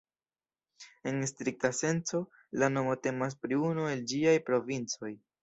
En strikta senco, la nomo temas pri unu el ĝiaj provincoj.